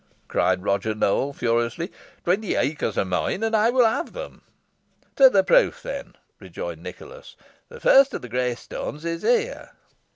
cried Roger Nowell, furiously. "Twenty acres are mine, and I will have them." "To the proof, then," rejoined Nicholas. "The first of the grey stones is here."